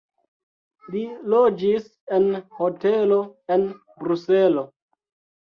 Li loĝis en hotelo en Bruselo.